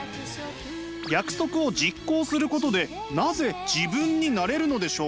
約束を実行することでなぜ自分になれるのでしょう？